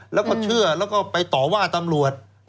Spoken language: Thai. แล้วก็เชื่อแล้วก็ไปต่อว่าตำรวจ